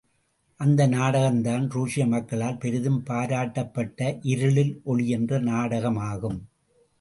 அந்த நாடகம் தான் ருஷ்ய மக்களால் பெரிதும் பாராட்டப்பட்ட இருளில் ஒளி என்ற நாடகமாகும்.